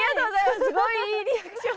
すごいいいリアクション！